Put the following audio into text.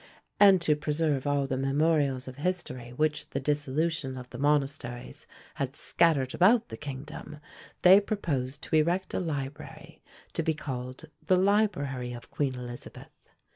And to preserve all the memorials of history which the dissolution of the monasteries had scattered about the kingdom, they proposed to erect a library, to be called "The Library of Queen Elizabeth."